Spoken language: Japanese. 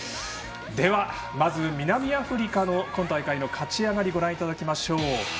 では、まず南アフリカの今大会の勝ち上がりをご覧いただきます。